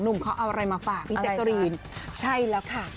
หนุ่มเค้าเอาอะไรมาฝากพี่เจคต์ารีนใช่แล้วค่ะ